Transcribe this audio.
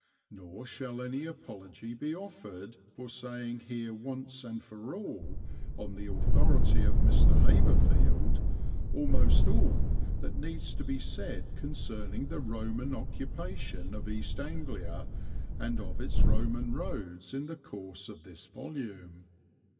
Nor shall any apology be offered for saying here once and for all, on the authority of Mr. Haverfield, almost all that needs to be said concerning the Roman occupation of East Anglia and of its Roman roads in the course of this volume.